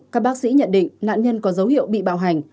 các bác sĩ nhận định nạn nhân có dấu hiệu bị bạo hành